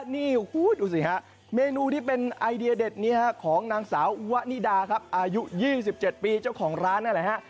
นี่ดูสิฮะเมนูที่เป็นไอเดียเด็ดนี้ของนางสาววะนิดาครับอายุ๒๗ปีเจ้าของร้านนั่นแหละฮะ